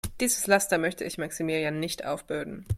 Dieses Laster möchte ich Maximilian nicht aufbürden.